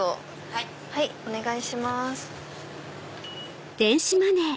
はい。